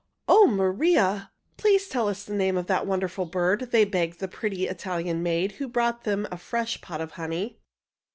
"O Maria! Please tell us the name of that wonderful bird," they begged the pretty Italian maid who brought them a fresh pot of honey.